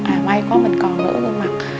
à may quá mình còn nửa gương mặt